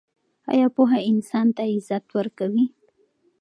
آیا پوهه انسان ته عزت ورکوي؟